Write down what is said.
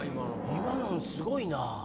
今のんすごいな！